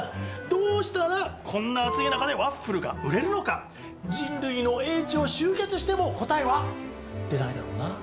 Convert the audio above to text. どうしたらこんな暑い中でワッフルが売れるのか人類の英知を集結しても答えは出ないだろうな。